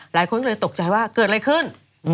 หลายคนก็เลยตกใจว่าเกิดอะไรขึ้น